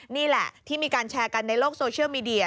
นี่แหละที่มีการแชร์กันในโลกโซเชียลมีเดีย